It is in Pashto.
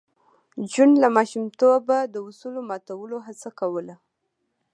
جون له ماشومتوبه د اصولو ماتولو هڅه کوله